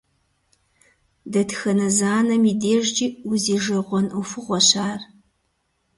Дэтхэнэ зы анэм и дежкӀи узижэгъуэн Ӏуэхугъуэщ ар.